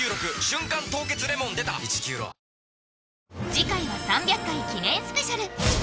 次回は３００回記念スペシャル！